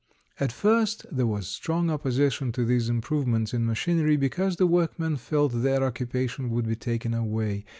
At first there was strong opposition to these improvements in machinery because the workmen felt their occupation would be taken away.